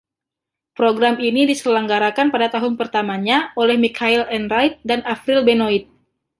Program ini diselenggarakan pada tahun pertamanya oleh Michael Enright dan Avril Benoit.